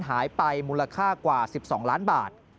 หายไปมูลค่ากว่า๑๒ล้านบาท